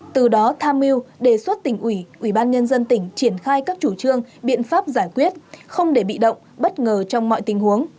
từ đó tham mưu đề xuất tỉnh ủy ủy ban nhân dân tỉnh triển khai các chủ trương biện pháp giải quyết không để bị động bất ngờ trong mọi tình huống